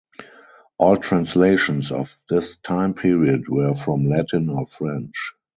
All translations of this time period were from Latin or French.